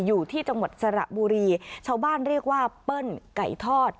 อยู่ที่จังหวัดสระบุรีชาวบ้านเรียกว่าเปิ้ลไก่ทอด